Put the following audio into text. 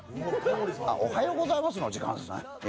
あっ、おはようございますの時間ですね。